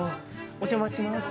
お邪魔します。